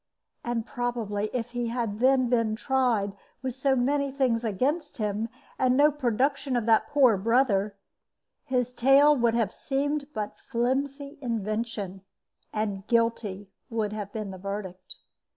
And probably if he had then been tried, with so many things against him, and no production of that poor brother, his tale would have seemed but a flimsy invention, and "Guilty" would have been the verdict.